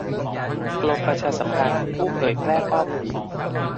กรมประชาสัมพันธ์ ผู้เผยแพร่ข้อมูล